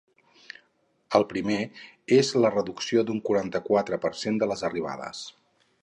El primer és la reducció d’un quaranta-quatre per cent de les arribades.